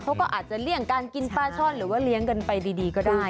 เขาก็อาจจะเลี่ยงการกินปลาช่อนหรือว่าเลี้ยงกันไปดีก็ได้